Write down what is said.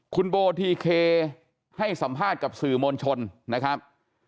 คุณโบทีเคให้สัมภาษณ์กับสื่อมวลชนนะครับ